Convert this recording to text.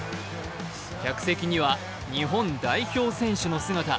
客席には日本代表選手の姿。